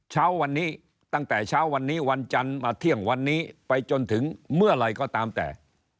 เช้าวันนี้ตั้งแต่เช้าวันนี้วันจันทร์มาเที่ยงวันนี้ไปจนถึงเมื่อไหร่ก็ตามแต่